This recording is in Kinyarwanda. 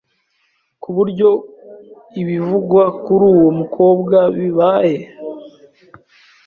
ku buryo ibivugwa kuri uwo mukobwa bibaye